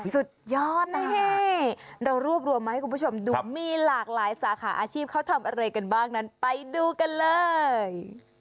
สุดยอดนะเรารวบรวมมาให้คุณผู้ชมดูมีหลากหลายสาขาอาชีพเขาทำอะไรกันบ้างนั้นไปดูกันเลย